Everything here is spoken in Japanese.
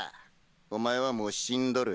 お前はもう死んどる。